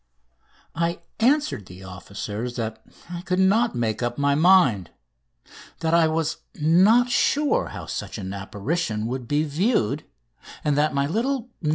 I answered the officers that I could not make up my mind; that I was not sure how such an apparition would be viewed; and that my little "No.